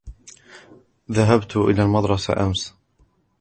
ذهبت إلى المدرسة أمس.